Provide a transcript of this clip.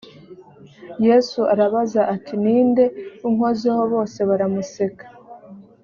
yesu arabaza ati ni nde unkozeho bose baramuseka